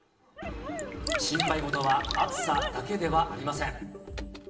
心配事は暑さだけではありません。